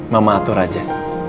mama atur aja